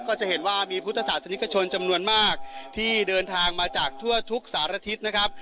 ก็จะเห็นว่ามีพุทธศาสนิกชนจำนวนมากที่เดินทางมาจากทั่วทุกสารทิศนะครับ